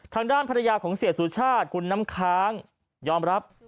ทางด้านภรรยาของเสียสุชาติคุณน้ำค้างยอมรับ